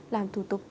làm thủ tục